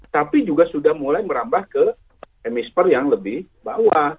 tapi juga sudah mulai merambah ke emisper yang lebih bawah